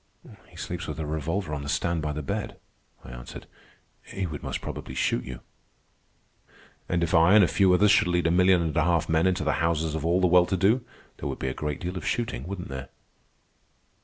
"He sleeps with a revolver on the stand by the bed," I answered. "He would most probably shoot you." "And if I and a few others should lead a million and a half of men into the houses of all the well to do, there would be a great deal of shooting, wouldn't there?"